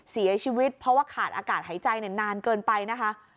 เสียชีวิตเพราะว่าขาดอากาศหายใจนานเกินไปนะคะ